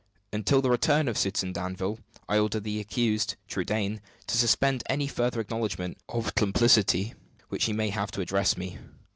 Until the return of Citizen Danville, I order the accused, Trudaine, to suspend any further acknowledgment of complicity which he may have to address to me.